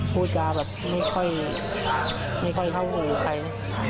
พูดจาแบบไม่ค่อยเข้าหูใคร